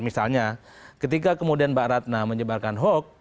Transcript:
misalnya ketika kemudian mbak ratna menyebarkan hoax